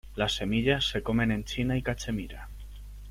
Las semillas se comen en China y Cachemira.